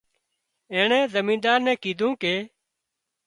اينڻي زمينۮار نين ڪيڌوون ڪي